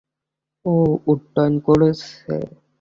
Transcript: ও উড্ডয়ন করছে।